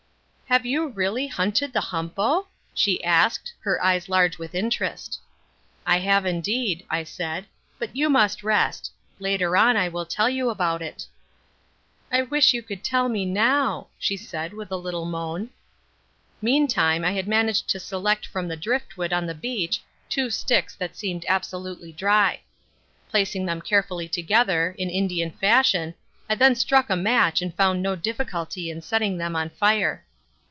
"Have you really hunted the humpo?" she asked, her eyes large with interest. "I have indeed," I said, "but you must rest; later on I will tell you about it." "I wish you could tell me now," she said with a little moan. Meantime I had managed to select from the driftwood on the beach two sticks that seemed absolutely dry. Placing them carefully together, in Indian fashion, I then struck a match and found no difficulty in setting them on fire.